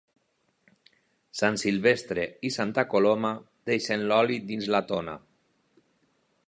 Sant Silvestre i Santa Coloma deixen l'oli dins la tona.